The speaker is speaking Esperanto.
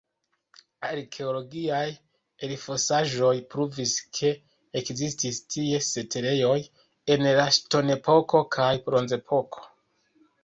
Arkeologiaj elfosaĵoj pruvis, ke ekzistis tie setlejoj en la ŝtonepoko kaj bronzepoko.